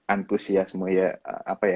antusiasme ya apa ya